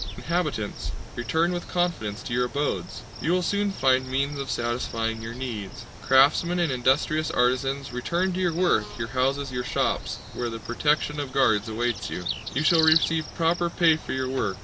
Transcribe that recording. Inhabitants, return with confidence to your abodes! You will soon find means of satisfying your needs. Craftsmen and industrious artisans, return to your work, your houses, your shops, where the protection of guards awaits you! You shall receive proper pay for your work.